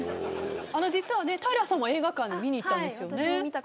実は平さんも映画館に見に行ったんですよね。